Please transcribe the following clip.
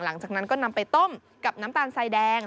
หลังจากนั้นก็นำไปต้มกับน้ำตาลสายแดง